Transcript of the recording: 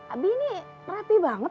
abi ini rapih banget